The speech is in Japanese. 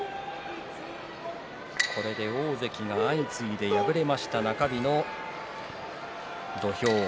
これで大関が相次いで敗れました中日の土俵。